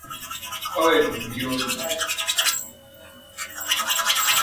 Kawai ku biyo ni.